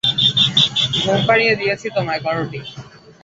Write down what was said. ঘুম পাড়িয়ে দিয়েছি তোমায়, কায়োটি।